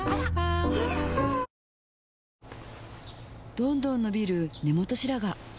どんどん伸びる根元白髪